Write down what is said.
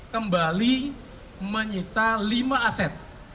kembali menyita lima aset